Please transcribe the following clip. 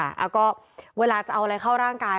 แล้วก็เวลาจะเอาอะไรเข้าร่างกาย